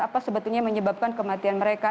apa sebetulnya yang menyebabkan kematian mereka